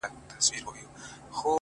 ماته يې په نيمه شپه ژړلي دي ـ